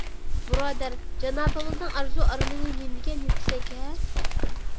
بۇرادەر، جانابىڭىزنىڭ ئارزۇ - ئارمىنى نېمىدېگەن يۈكسەك - ھە!